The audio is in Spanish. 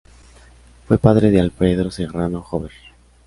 Fue padre de Alfredo Serrano Jover.